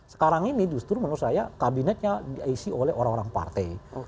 sekarang ini justru menurut saya kabinetnya diisi oleh orang orang partai